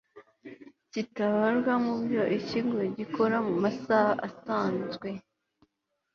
kitabarwa mu byo ikigo gikora mu masaha asanzwe